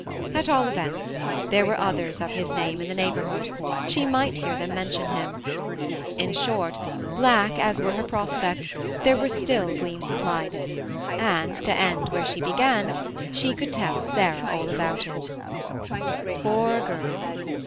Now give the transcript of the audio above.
At all events, there were others of his name in the neighbor hood; she might hear them mention him: in short, black as were her prospects, there were still gleams of light, and, to end where she began, she should tell Sarah all about it Poor girl!